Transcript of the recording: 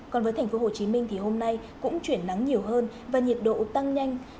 còn với thành phố hồ chí minh thì hôm nay cũng chuyển nắng nhiều hơn và nhiệt độ tăng nhanh